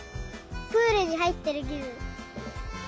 プールにはいってるきぶん。